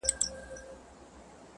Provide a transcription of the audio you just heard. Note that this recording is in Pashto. مور په ژړا سي خو عمل بدلولای نه سي,